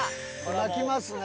泣きますね。